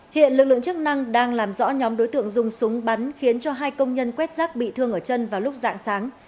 hiện lực lượng chức năng đang làm rõ nhóm đối tượng dùng súng bắn khiến cho hai công nhân quét rác bị thương ở chân vào lúc dạng sáng